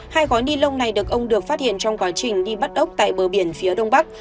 hai gói ni lông này được ông được phát hiện trong quá trình đi bắt ốc tại bờ biển phía đông bắc